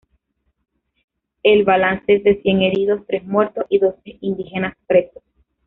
El balance es de cien heridos, tres muertos y doce indígenas presos.